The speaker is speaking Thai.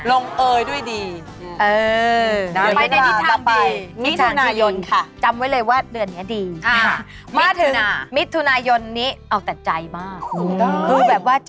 ลงเอยด้วยดีนาตาตาไป